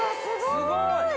すごい！